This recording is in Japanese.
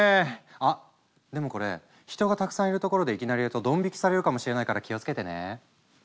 あっでもこれ人がたくさんいる所でいきなりやるとドン引きされるかもしれないから気をつけてね。